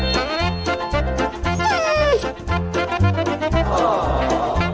สวัสดีค่ะ